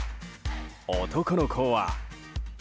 男の子は。